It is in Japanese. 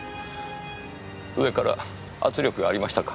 上から圧力がありましたか。